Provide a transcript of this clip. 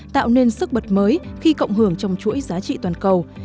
tạo nên sức bật mới khi cộng hưởng trong chuỗi giá trị toàn cầu